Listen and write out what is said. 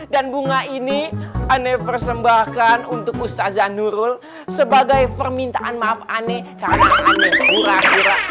dan bunga ini aneh persembahkan untuk ustaz zanul sebagai permintaan maaf aneh karena aneh